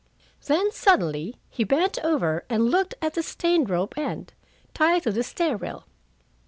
Then, suddenly, he bent over and looked at the stained rope end, tied to the stair rail.